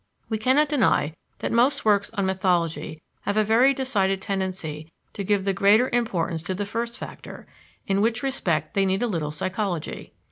We can not deny that most works on mythology have a very decided tendency to give the greater importance to the first factor; in which respect they need a little psychology.